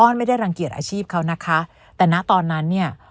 ไม่ได้รังเกียจอาชีพเขานะคะแต่นะตอนนั้นเนี่ย